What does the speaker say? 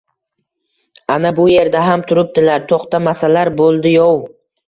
Ana bu erda ham turibdilar, to`xtatmasalar bo`ldi-yov